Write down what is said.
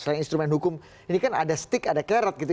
selain instrumen hukum ini kan ada stick ada kerot gitu